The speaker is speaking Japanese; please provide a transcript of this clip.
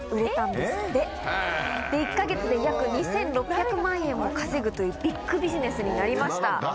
１か月で約２６００万円も稼ぐというビッグビジネスになりました。